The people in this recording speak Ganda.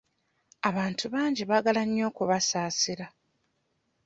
Abantu bangi baagaala nnyo okubasaasira.